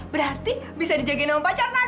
berarti bisa dijagain sama pak cerna dong ya kan